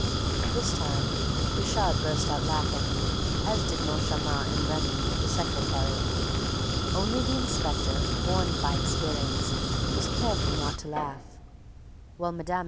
This time, Richard burst out laughing, as did Moncharmin and Remy, the secretary. Only the inspector, warned by experience, was careful not to laugh, while Mme.